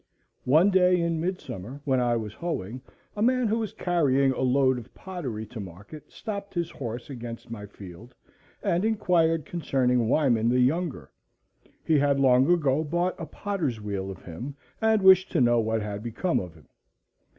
One day in midsummer, when I was hoeing, a man who was carrying a load of pottery to market stopped his horse against my field and inquired concerning Wyman the younger. He had long ago bought a potter's wheel of him, and wished to know what had become of him.